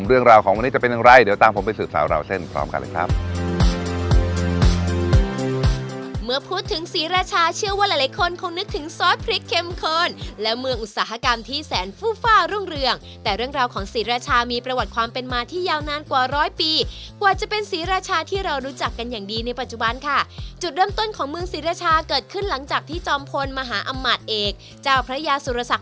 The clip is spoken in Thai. เรื่องราวของวันนี้จะเป็นอย่างไรเดี๋ยวตามผมไปสืบสาวราวเส้นพร้อมกันเลยครับ